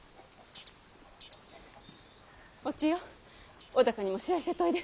お千代尾高にも報せといで。